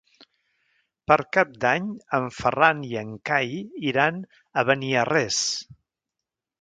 Per Cap d'Any en Ferran i en Cai iran a Beniarrés.